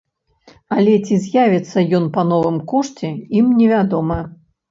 Але ці з'явіцца ён па новым кошце ім не вядома.